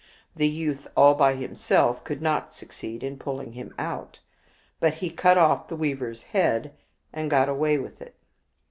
The youth, all by himself, could not succeed in pulling him out; but he cut off the weaver's head and got away with it.